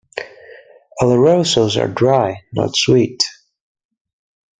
Olorosos are dry, not sweet.